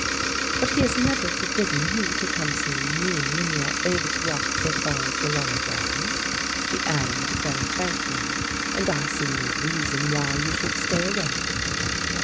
"But he has never forbidden you to come to see me when you are able to walk so far as to the library," she added very frankly, "and I see no reason why you should stay away."